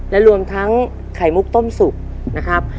และรวมทั้งไข่มุกต้มสุกนะครับ